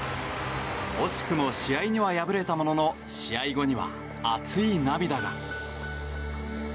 惜しくも試合には敗れたものの試合後には熱い涙が。